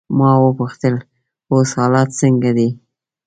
ما وپوښتل: اوس حالات څنګه دي؟